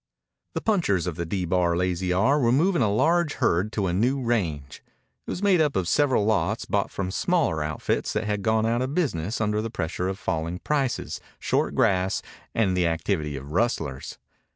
The punchers of the D Bar Lazy R were moving a large herd to a new range. It was made up of several lots bought from smaller outfits that had gone out of business under the pressure of falling prices, short grass, and the activity of rustlers.